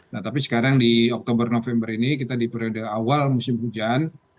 nah tapi sekarang di oktober november ini kita di periode awal musim hujan